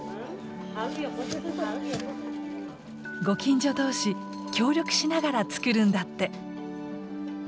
ご近所同士協力しながら作るんだって。